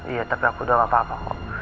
iya tapi aku udah gak apa apa